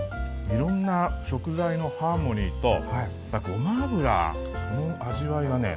いろんな食材のハーモニーとごま油その味わいがね